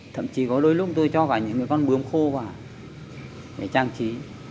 thậm chí có đôi lúc tôi cho cả những con bươm khô vào để trang trí